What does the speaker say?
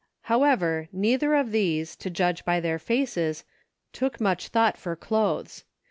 However, neither of these, to judge by their faces, took much thought for clothes.